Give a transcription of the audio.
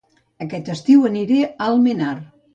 Aquest estiu aniré a Almenar